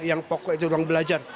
yang pokok itu ruang belajar